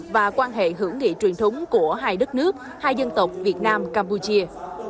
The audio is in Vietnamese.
và quan hệ hữu nghị truyền thống của hai đất nước hai dân tộc việt nam campuchia